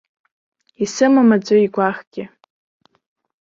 Исымам аӡәы игәаӷгьы.